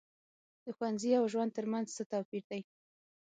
د ښوونځي او ژوند تر منځ څه توپیر دی.